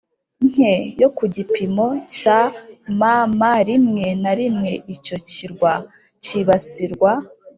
nke yo ku gipimo cya mm Rimwe na rimwe icyo kirwa cyibasirwa